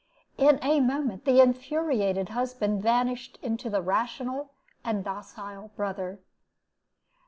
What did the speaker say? In a moment the infuriated husband vanished into the rational and docile brother.